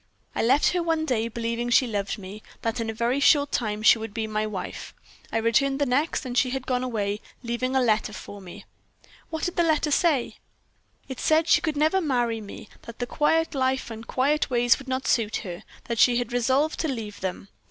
"I left her one day, believing she loved me, that in a very short time she would be my wife. I returned the next, and she had gone away, leaving a letter for me." "What did that letter say?" "It said that she could never marry me; that the quiet life and quiet ways would not suit her; that she had resolved to leave them.